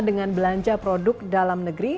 dengan belanja produk dalam negeri